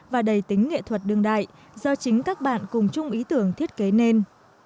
về tính nghệ thuật đương đại do chính các bạn cùng chung ý tưởng thiết kế nên